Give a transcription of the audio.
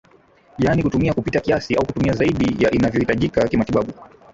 yaani kutumia kupita kiasi au kutumia zaidi ya invyohitajika kimatibabu